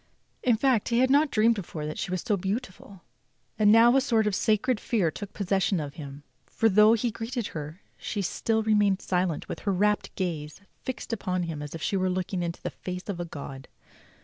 In fact he had not dreamed before that she was so beautiful; and now a sort of sacred fear took possession of him, for though he greeted her she still remained silent with her rapt gaze fixed upon him as if she were looking into the face of a god.